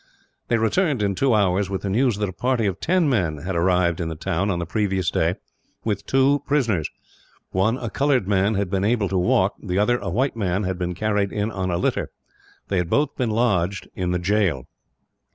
They returned, in two hours, with the news that a party of ten men had arrived in the town, on the previous day, with two prisoners. One, a coloured man, had been able to walk. The other, a white man, had been carried in on a litter. They had both been lodged in the jail.